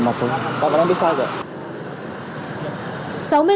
bọn cháu biết sao rồi